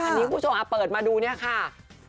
อันนี้คุณผู้ชมเปิดมาดูเนี่ยค่ะ